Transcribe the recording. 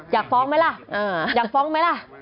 อยากฟ้องไหมล่ะ